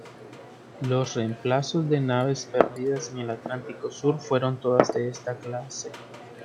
Los reemplazos de naves perdidas en el Atlántico Sur fueron todas de esta clase.